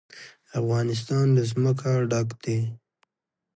افغانستان له ځمکه ډک دی.